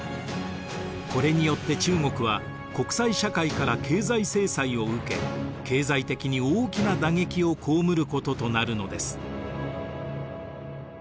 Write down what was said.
これによって中国は国際社会から経済制裁を受け経済的に大きな打撃を被ることとなるのです。